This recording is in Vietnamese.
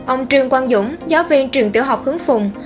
ông trương quang dũng giáo viên trường tiểu học hướng phùng